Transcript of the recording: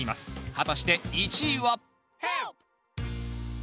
果たして１位は？